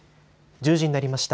１０時になりました。